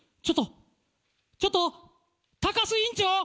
ちょっとちょっと高須院長！